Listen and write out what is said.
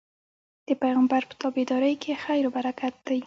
د پيغمبر په تابعدارۍ کي خير او برکت دی